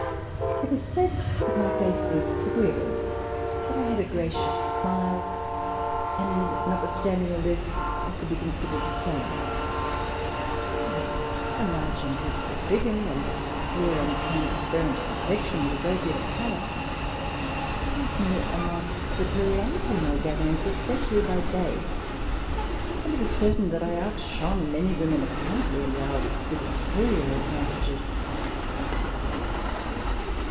It was said that my face was agreeable, that I had a gracious smile, and, notwithstanding all this, I could be considered plain. However, a large and beau tiful figure and a clear and transparent complexion, with a great deal of color, gave me a marked superi ority in all gatherings, especially by day, and it was certain that I outshone many women apparently endowed with superior advantages.